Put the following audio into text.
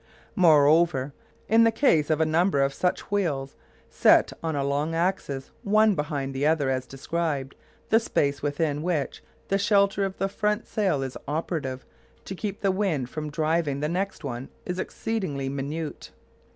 Moreover, in the case of a number of such wheels set on a long axis, one behind the other as described, the space within which the shelter of the front sail is operative to keep the wind from driving the next one is exceedingly minute.